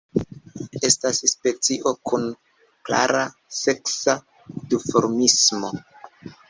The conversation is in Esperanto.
Estas specio kun klara seksa duformismo.